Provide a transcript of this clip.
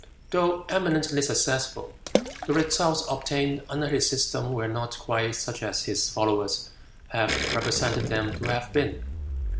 Though eminently successful, the results obtained under his system were not quite such as his followers have represented them to have been.